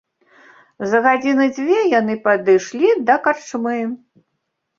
За гадзіны дзве яны падышлі да карчмы.